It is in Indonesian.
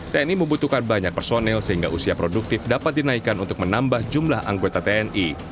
tni membutuhkan banyak personil sehingga usia produktif dapat dinaikkan untuk menambah jumlah anggota tni